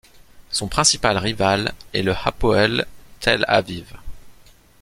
Son principal rival est le Hapoël Tel Aviv.